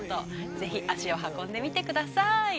ぜひ、足を運んでみてください。